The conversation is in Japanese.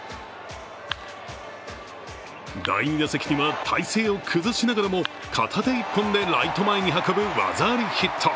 第２打席には体勢を崩しながらも、片手一本で、ライト前に運ぶ技ありヒット